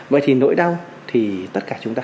vậy thì nỗi đau thì tất cả chúng ta không thể có